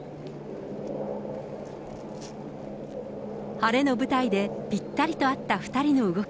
晴れの舞台で、ぴったりと合った２人の動き。